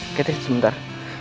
oke deh sebentar